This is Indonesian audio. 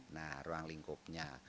nah ruang lingkupnya